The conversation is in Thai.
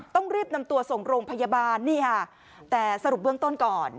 ต้องรีบนำตัวส่งโรงพยาบาลนี่ค่ะแต่สรุปเบื้องต้นก่อน